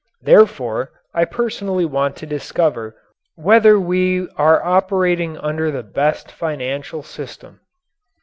Therefore, I personally want to discover whether we are operating under the best financial system.